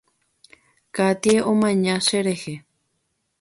Katie omaña cherehe.